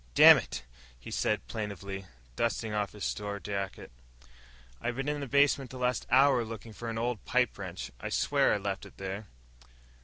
"Dammit," he said plaintively, dusting off his store jacket, "I been in the basement the last hour looking for an old pipe wrench. I swear I left it there!"